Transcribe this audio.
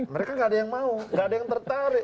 mereka nggak ada yang mau gak ada yang tertarik